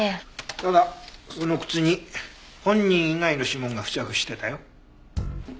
ただその靴に本人以外の指紋が付着してたよ。